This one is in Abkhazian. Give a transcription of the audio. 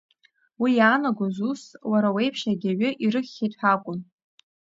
Уи иаанагоз, ус, уара уеиԥш егьаҩы ирыхьхьеит ҳәа акәын.